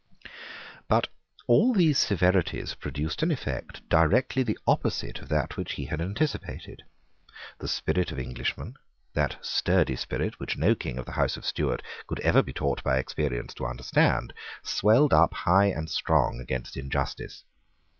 But all these severities produced an effect directly the opposite of that which he had anticipated. The spirit of Englishmen, that sturdy spirit which no King of the House of Stuart could ever be taught by experience to understand, swelled up high and strong against injustice.